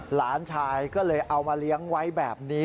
หลานชายก็เลยเอามาเลี้ยงไว้แบบนี้